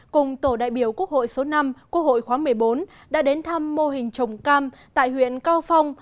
cùng tổ đại biểu quốc hội số năm quốc hội khóa một mươi bốn đã đến thăm mô hình trồng cam tại huyện cao phong